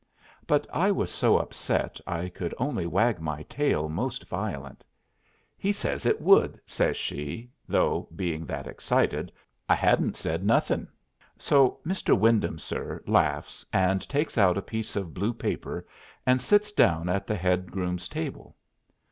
But I was so upset I could only wag my tail most violent. "He says it would!" says she, though, being that excited, I hadn't said nothing. So "Mr. Wyndham, sir," laughs, and takes out a piece of blue paper and sits down at the head groom's table.